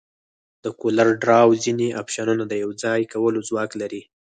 د کولر ډراو ځینې افشنونه د یوځای کولو ځواک لري.